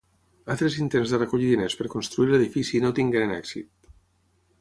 Altres intents de recollir diners per construir l'edifici no tengueren èxit.